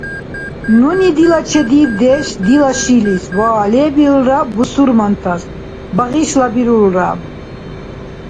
Нуни дила чедибдеш дила шилис ва лебилра бусурмантас багъишлабирулра.